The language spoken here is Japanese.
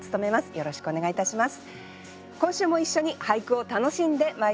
よろしくお願いします。